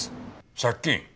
借金？